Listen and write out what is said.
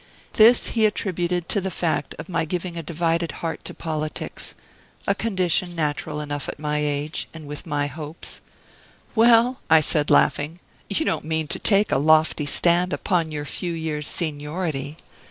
This he attributed to the fact of my giving a divided heart to politics a condition natural enough at my age, and with my hopes. "Well," said I, laughing, "you don't mean to take a lofty stand upon your few years' seniority.